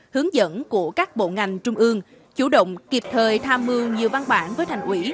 hướng dẫn của các bộ ngành trung ương chủ động kịp thời tham mưu nhiều văn bản với thành ủy